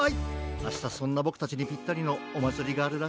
あしたそんなボクたちにぴったりのおまつりがあるらしい。